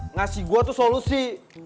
ngasih gue tuh solusi